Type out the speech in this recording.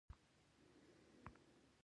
مخنیوي لپاره کار کوي.